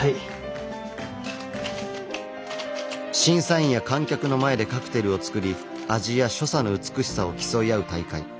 審査員や観客の前でカクテルを作り味や所作の美しさを競い合う大会。